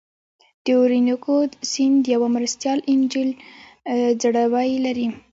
د اورینوکو سیند یوه مرستیال انجیل ځړوی لري.